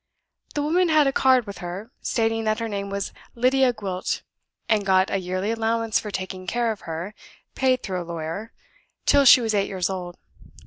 The woman had a card with her, stating that her name was Lydia Gwilt, and got a yearly allowance for taking care of her (paid through a lawyer) till she was eight years old.